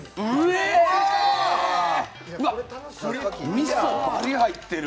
みそ、バリ入ってる！